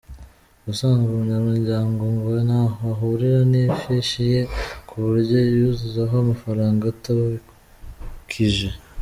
Ubusanzwe umunyamuryango ngo ntaho ahurira n’ifishi ye ku buryo yayuzuzaho amafaranga atabikije.